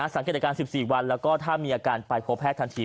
สังเกตอาการ๑๔วันแล้วก็ถ้ามีอาการไปพบแพทย์ทันที